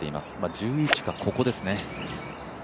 １１か、ここですね。